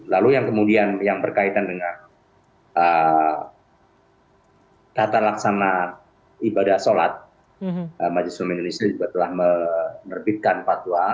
lalu yang kemudian yang berkaitan dengan tata laksana ibadah sholat majelis ulama indonesia juga telah menerbitkan fatwa